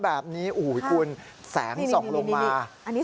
แบบนี้อุ๊ยคุณแสงฉอกลงมา